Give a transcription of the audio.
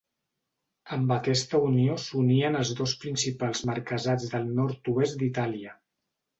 Amb aquesta unió s'unien els dos principals marquesats del nord-oest d'Itàlia.